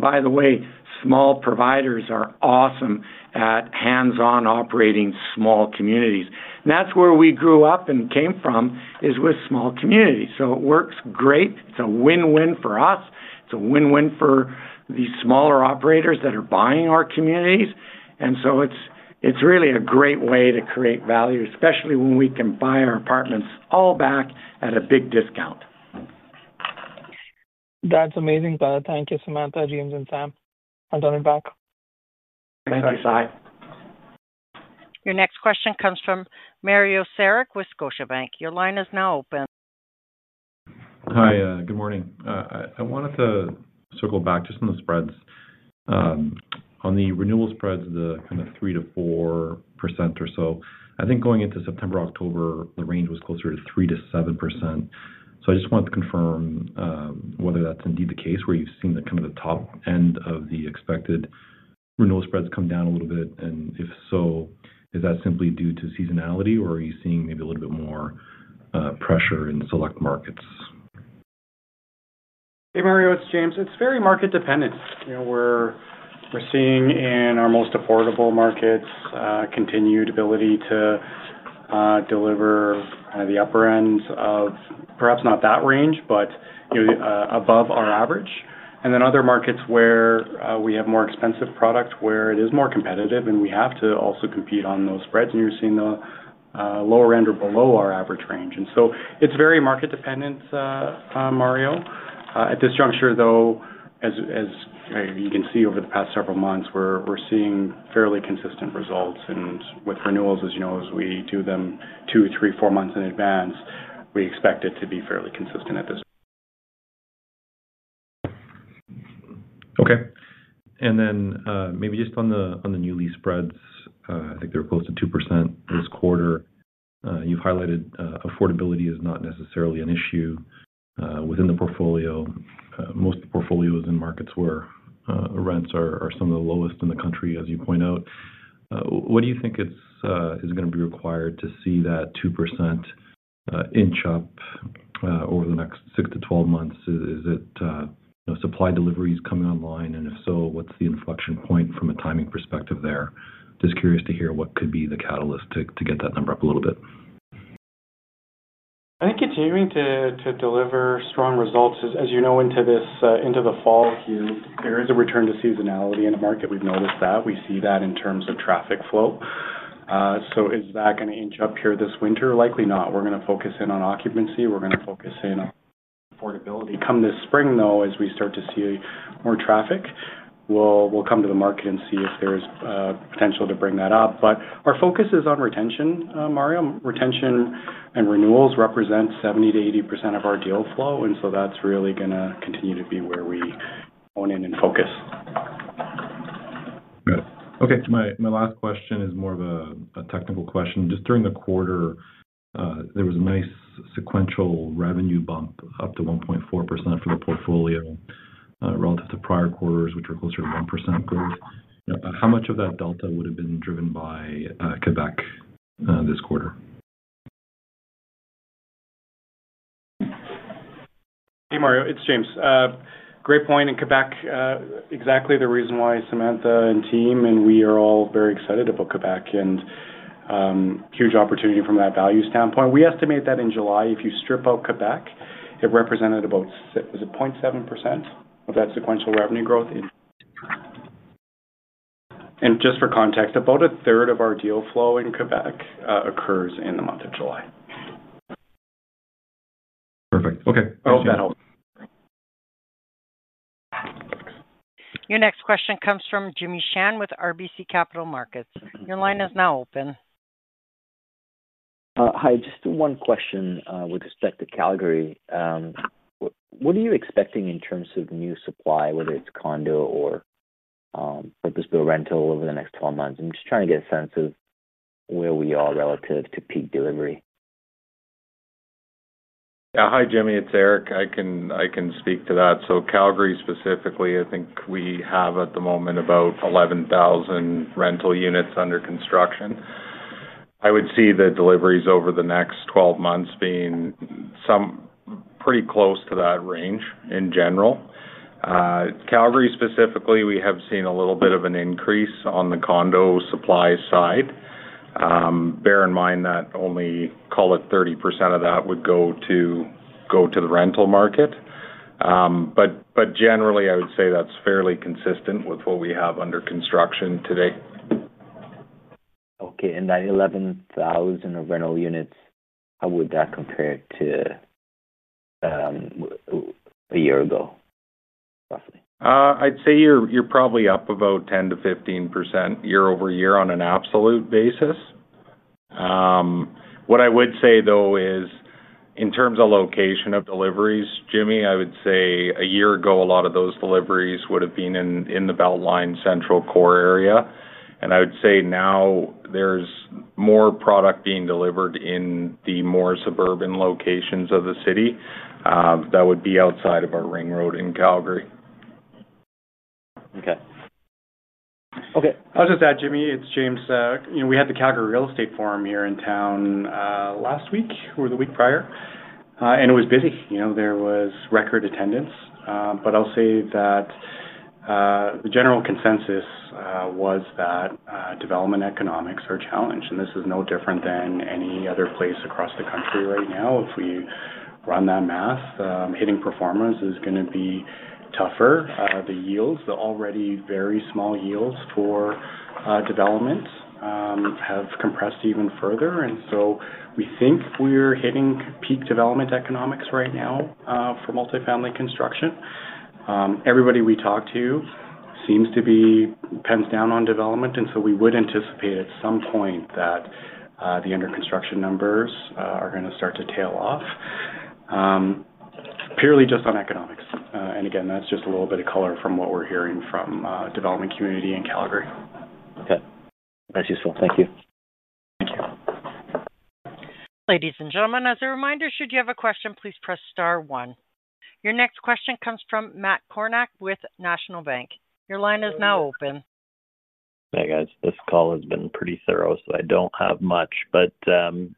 By the way, small providers are awesome at hands-on operating small communities. That is where we grew up and came from, with small communities. It works great. It is a win-win for us. It is a win-win for the smaller operators that are buying our communities. It's really a great way to create value, especially when we can buy our apartments all back at a big discount. That's amazing, brother. Thank you, Samantha, James, and Sam. I'll turn it back. Thank you, Sai. Your next question comes from Mario Saric with Scotiabank. Your line is now open. Hi. Good morning. I wanted to circle back just on the spreads. On the renewal spreads, the kind of 3-4% or so. I think going into September, October, the range was closer to 3-7%. I just wanted to confirm whether that's indeed the case where you've seen kind of the top end of the expected renewal spreads come down a little bit. If so, is that simply due to seasonality, or are you seeing maybe a little bit more pressure in select markets? Hey, Mario. It's James. It's very market dependent. We're seeing in our most affordable markets continued ability to deliver the upper ends of perhaps not that range, but above our average. In other markets where we have more expensive products where it is more competitive, we have to also compete on those spreads. You're seeing the lower end or below our average range. It's very market dependent, Mario. At this juncture, though, as you can see over the past several months, we're seeing fairly consistent results. With renewals, as you know, as we do them two, three, four months in advance, we expect it to be fairly consistent at this. Okay. Maybe just on the newly spreads, I think they're close to 2% this quarter. You've highlighted affordability is not necessarily an issue within the portfolio. Most of the portfolio is in markets where rents are some of the lowest in the country, as you point out. What do you think is going to be required to see that 2% inch up over the next 6-12 months? Is it supply deliveries coming online? If so, what's the inflection point from a timing perspective there? Just curious to hear what could be the catalyst to get that number up a little bit. I think continuing to deliver strong results, as you know, into the fall here, there is a return to seasonality in the market. We've noticed that. We see that in terms of traffic flow. Is that going to inch up here this winter? Likely not. We're going to focus in on occupancy. We're going to focus in on affordability. Come this spring, though, as we start to see more traffic. We'll come to the market and see if there's potential to bring that up. Our focus is on retention, Mario. Retention and renewals represent 70-80% of our deal flow. That is really going to continue to be where we hone in and focus. Okay. My last question is more of a technical question. Just during the quarter, there was a nice sequential revenue bump up to 1.4% for the portfolio. Relative to prior quarters, which were closer to 1% growth. How much of that delta would have been driven by Québec this quarter? Hey, Mario. It's James. Great point. In Québec, exactly the reason why Samantha and team and we are all very excited about Québec and. Huge opportunity from that value standpoint. We estimate that in July, if you strip out Québec, it represented about, was it 0.7% of that sequential revenue growth? And just for context, about a third of our deal flow in Québec occurs in the month of July. Perfect. Okay. All set. Your next question comes from Jimmy Shan with RBC Capital Markets. Your line is now open. Hi. Just one question with respect to Calgary. What are you expecting in terms of new supply, whether it's condo or purpose-built rental over the next 12 months? I'm just trying to get a sense of where we are relative to peak delivery. Yeah. Hi, Jimmy. It's Eric. I can speak to that. Calgary specifically, I think we have at the moment about 11,000 rental units under construction. I would see the deliveries over the next 12 months being pretty close to that range in general. Calgary specifically, we have seen a little bit of an increase on the condo supply side. Bear in mind that only, call it, 30% of that would go to the rental market. Generally, I would say that's fairly consistent with what we have under construction today. Okay. That 11,000 of rental units, how would that compare to a year ago? Roughly? I'd say you're probably up about 10-15% year over year on an absolute basis. What I would say, though, is in terms of location of deliveries, Jimmy, I would say a year ago, a lot of those deliveries would have been in the Beltline Central Core area. I would say now there's more product being delivered in the more suburban locations of the city. That would be outside of our Ring Road in Calgary. Okay. Okay. I'll just add, Jimmy, it's James. We had the Calgary Real Estate Forum here in town last week or the week prior, and it was busy. There was record attendance. I'll say that the general consensus was that development economics are challenged. This is no different than any other place across the country right now. If we run that math, hitting performance is going to be tougher. The yields, the already very small yields for development, have compressed even further. We think we're hitting peak development economics right now for multifamily construction. Everybody we talk to seems to be pins down on development. We would anticipate at some point that the under construction numbers are going to start to tail off, purely just on economics. That's just a little bit of color from what we're hearing from the development community in Calgary. Okay. That's useful. Thank you. Thank you. Ladies and gentlemen, as a reminder, should you have a question, please press star one. Your next question comes from Matt Kornak with National Bank. Your line is now open. Hey, guys. This call has been pretty thorough, so I do not have much.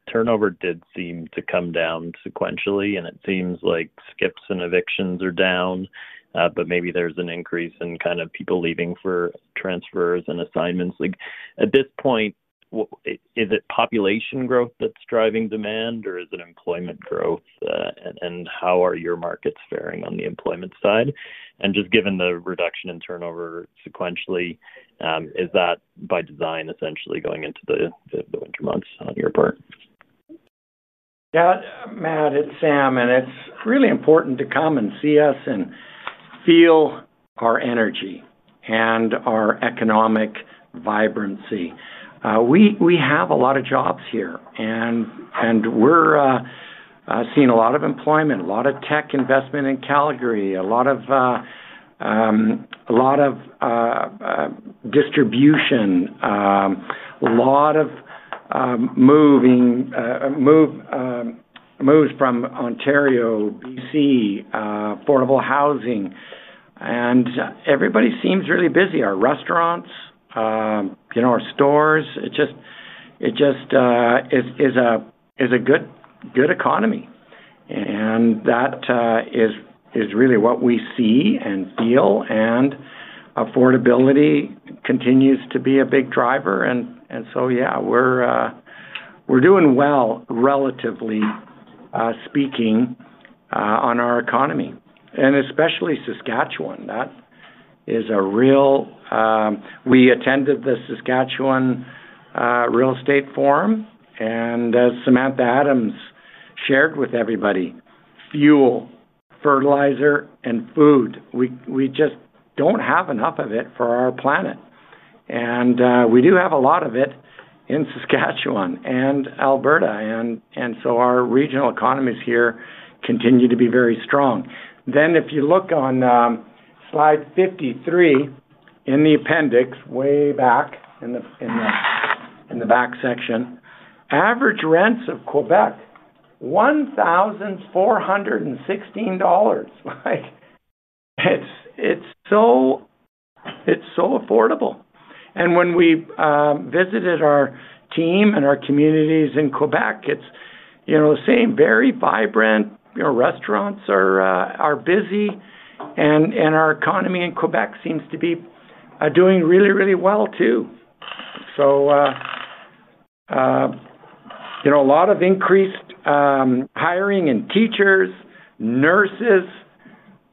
Turnover did seem to come down sequentially, and it seems like skips and evictions are down. Maybe there is an increase in kind of people leaving for transfers and assignments. At this point, is it population growth that is driving demand, or is it employment growth? How are your markets faring on the employment side? Just given the reduction in turnover sequentially, is that by design, essentially going into the winter months on your part? Yeah. Matt, it's Sam. It's really important to come and see us and feel our energy and our economic vibrancy. We have a lot of jobs here, and we're seeing a lot of employment, a lot of tech investment in Calgary, a lot of distribution, a lot of moves from Ontario, BC, affordable housing. Everybody seems really busy. Our restaurants, our stores, it just is a good economy. That is really what we see and feel. Affordability continues to be a big driver. Yeah, we're doing well, relatively speaking, on our economy, and especially Saskatchewan. That is a real— We attended the Saskatchewan Real Estate Forum. As Samantha Adams shared with everybody, fuel, fertilizer, and food, we just don't have enough of it for our planet. We do have a lot of it in Saskatchewan and Alberta. Our regional economies here continue to be very strong. If you look on slide 53 in the appendix, way back in the back section, average rents of Québec are CAD 1,416. It is so affordable. When we visited our team and our communities in Québec, it is the same. Very vibrant. Restaurants are busy. Our economy in Québec seems to be doing really, really well, too. A lot of increased hiring in teachers, nurses.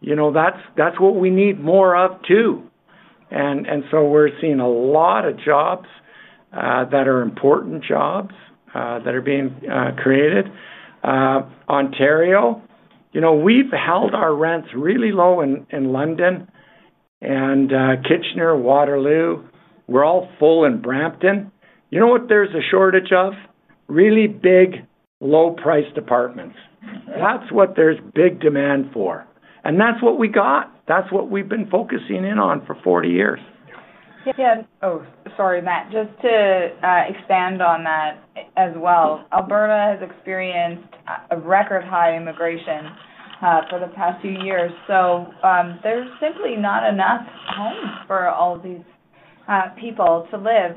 That is what we need more of, too. We are seeing a lot of jobs that are important jobs that are being created. Ontario, we have held our rents really low in London. Kitchener and Waterloo, we are all full in Brampton. You know what there is a shortage of? Really big, low-priced apartments. That is what there is big demand for. That is what we got. That is what we have been focusing in on for 40 years. Yeah. Oh, sorry, Matt. Just to expand on that as well. Alberta has experienced a record high immigration for the past few years. There is simply not enough homes for all of these people to live.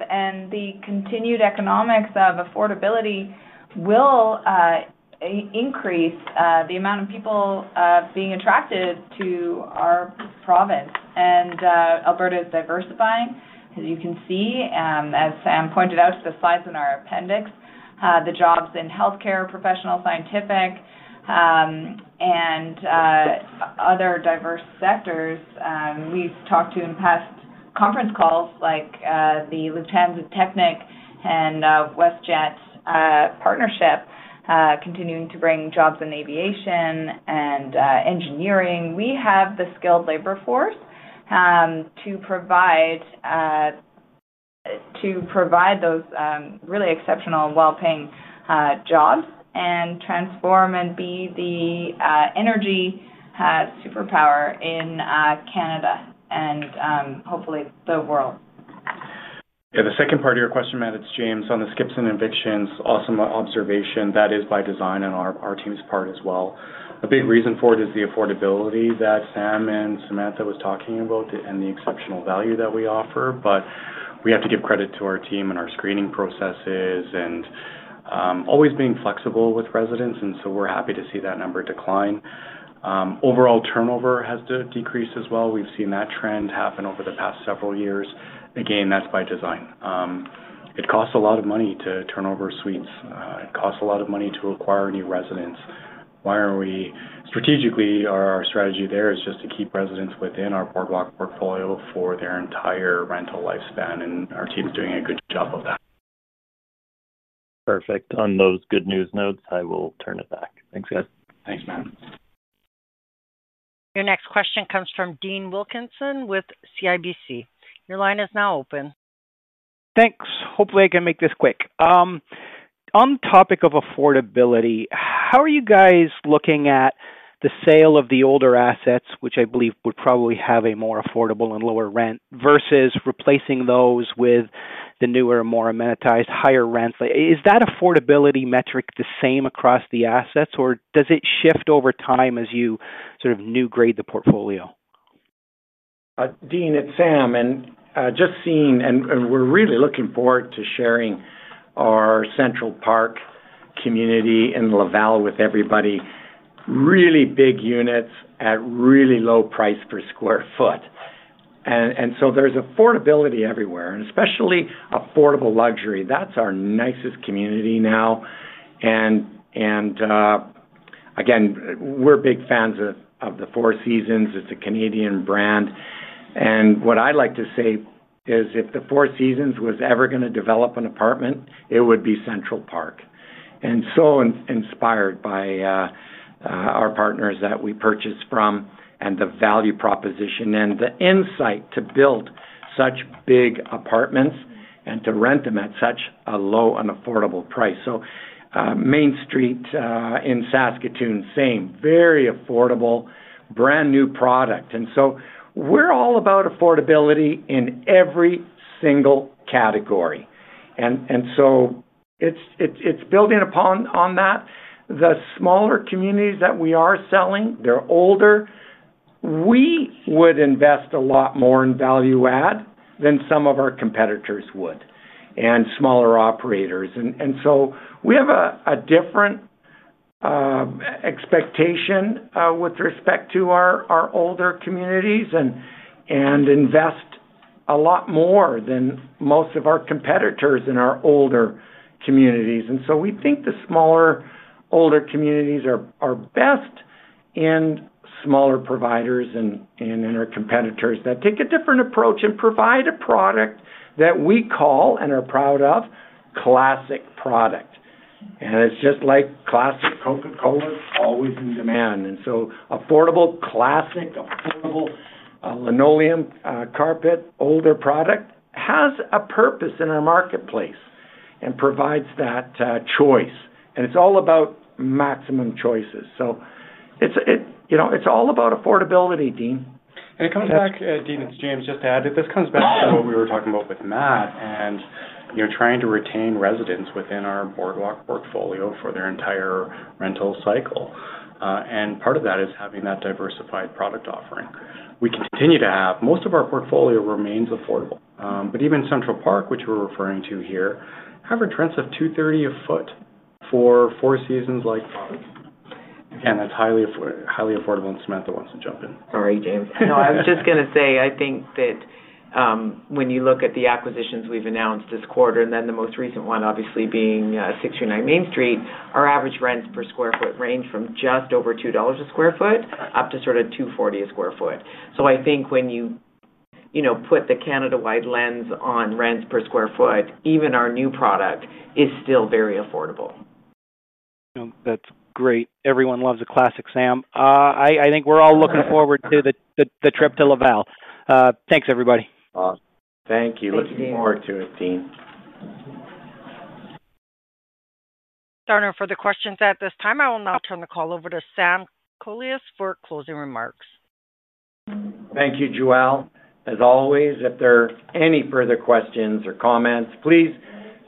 The continued economics of affordability will increase the amount of people being attracted to our province. Alberta is diversifying, as you can see. As Sam pointed out to the slides in our appendix, the jobs in healthcare, professional, scientific, and other diverse sectors. We have talked to in past conference calls, like the Lufthansa Technik and WestJet partnership, continuing to bring jobs in aviation and engineering. We have the skilled labor force to provide those really exceptional, well-paying jobs and transform and be the energy superpower in Canada and hopefully the world. Yeah. The second part of your question, Matt, it's James on the skips and evictions. Awesome observation. That is by design on our team's part as well. A big reason for it is the affordability that Sam and Samantha were talking about and the exceptional value that we offer. We have to give credit to our team and our screening processes and always being flexible with residents. We are happy to see that number decline. Overall turnover has decreased as well. We have seen that trend happen over the past several years. Again, that is by design. It costs a lot of money to turn over suites. It costs a lot of money to acquire new residents. Strategically, our strategy there is just to keep residents within our Boardwalk portfolio for their entire rental lifespan. Our team is doing a good job of that. Perfect. On those good news notes, I will turn it back. Thanks, guys. Thanks, Matt. Your next question comes from Dean Wilkinson with CIBC. Your line is now open. Thanks. Hopefully, I can make this quick. On the topic of affordability, how are you guys looking at the sale of the older assets, which I believe would probably have a more affordable and lower rent versus replacing those with the newer, more amenitized, higher rents? Is that affordability metric the same across the assets, or does it shift over time as you sort of new grade the portfolio? Dean, it's Sam. We are really looking forward to sharing our Central Park community in Laval with everybody. Really big units at really low price per sq. ft. There is affordability everywhere, and especially affordable luxury. That is our nicest community now. We are big fans of the Four Seasons. It is a Canadian brand. What I would like to say is if the Four Seasons was ever going to develop an apartment, it would be Central Park. Inspired by our partners that we purchased from and the value proposition and the insight to build such big apartments and to rent them at such a low and affordable price. Main Street in Saskatoon, same. Very affordable, brand new product. We are all about affordability in every single category. It is building upon that. The smaller communities that we are selling, they are older. We would invest a lot more in value-add than some of our competitors would and smaller operators. We have a different expectation with respect to our older communities and invest a lot more than most of our competitors in our older communities. We think the smaller, older communities are best in smaller providers and in our competitors that take a different approach and provide a product that we call and are proud of, classic product. It is just like classic Coca-Cola, always in demand. Affordable, classic, affordable linoleum carpet, older product has a purpose in our marketplace and provides that choice. It is all about maximum choices. It is all about affordability, Dean. It comes back, Dean, it is James. Just to add, this comes back to what we were talking about with Matt, trying to retain residents within our Boardwalk portfolio for their entire rental cycle. Part of that is having that diversified product offering. We continue to have most of our portfolio remain affordable. Even Central Park, which we are referring to here, has average rents of 230 a sq. ft. for Four Seasons-like products. That is highly affordable. Samantha wants to jump in. Sorry, James. No, I was just going to say I think that. When you look at the acquisitions we have announced this quarter, and then the most recent one obviously being 639 Main Street, our average rents per sq. ft. range from just over 2.0 dollars/sq. ft. up to sort of 2.40/sq. ft. I think when you put the Canada-wide lens on rents per sq. ft., even our new product is still very affordable. That's great. Everyone loves a classic Sam. I think we're all looking forward to the trip to Laval. Thanks, everybody. Thank you. Looking forward to it, Dean. Turner for the questions at this time. I will now turn the call over to Sam Kolias for closing remarks. Thank you, Joelle. As always, if there are any further questions or comments, please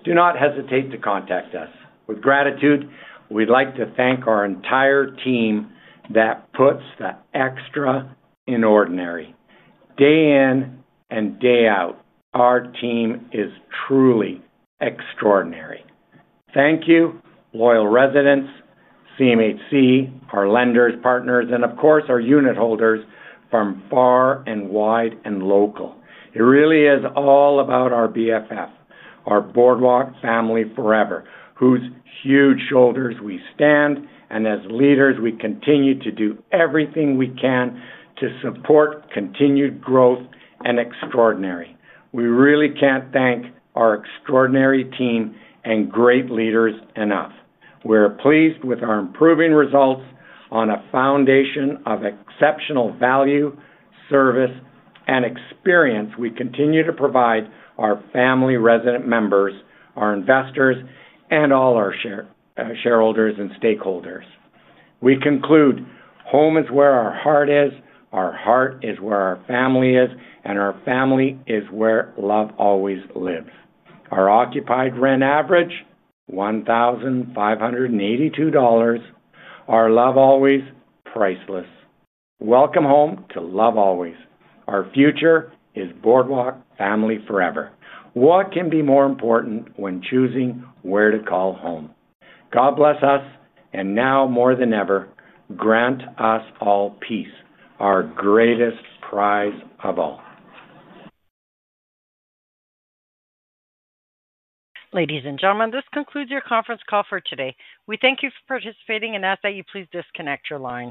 do not hesitate to contact us. With gratitude, we'd like to thank our entire team that puts the extra in ordinary. Day in and day out, our team is truly extraordinary. Thank you, loyal residents, CMHC, our lenders, partners, and of course, our unit holders from far and wide and local. It really is all about our BFF, our Boardwalk Family Forever, whose huge shoulders we stand. As leaders, we continue to do everything we can to support continued growth and extraordinary. We really can't thank our extraordinary team and great leaders enough. We're pleased with our improving results on a foundation of exceptional value, service, and experience we continue to provide our family resident members, our investors, and all our shareholders and stakeholders. We conclude, home is where our heart is, our heart is where our family is, and our family is where love always lives. Our occupied rent average, 1,582 dollars. Our love always priceless. Welcome Home to Love Always. Our future is Boardwalk Family Forever. What can be more important when choosing where to call home? God bless us. Now more than ever, grant us all peace, our greatest prize of all. Ladies and gentlemen, this concludes your conference call for today. We thank you for participating and ask that you please disconnect your lines.